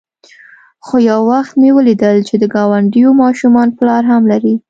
خو يو وخت مې وليدل چې د گاونډيو ماشومان پلار هم لري.